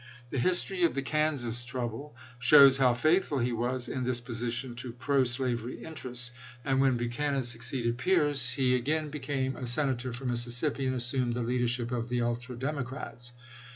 The history of the Kansas trouble shows how faithful he was in this position to pro slavery interests; and when THE MONTGOMERY CONFEDERACY 207 Buchanan succeeded Pierce he again became a chap. xiii. Senator for Mississippi, and assumed the leader ship of the ultra Democrats.